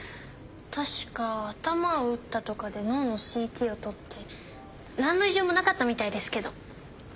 確か頭を打ったとかで脳のＣＴを撮って何の異常もなかったみたいですけど。